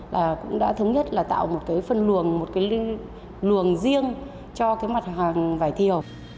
là cũng đã thống nhất là tạo một cái phân luồng một cái luồng riêng cho cái mặt hàng vải thiều